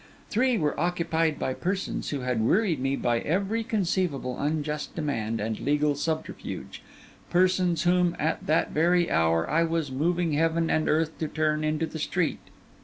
Three were occupied by persons who had wearied me by every conceivable unjust demand and legal subterfuge—persons whom, at that very hour, I was moving heaven and earth to turn into the street.